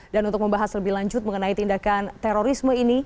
dan untuk membahas lebih lanjut mengenai tindakan terorisme ini